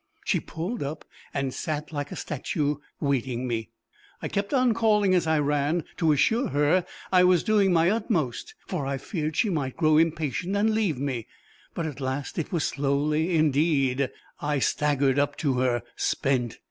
She pulled up, and sat like a statue, waiting me. I kept on calling as I ran, to assure her I was doing my utmost, for I feared she might grow impatient and leave me. But at last it was slowly indeed I staggered up to her, spent.